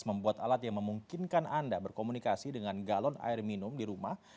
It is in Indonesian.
membuat alat yang memungkinkan anda berkomunikasi dengan galon air minum di rumah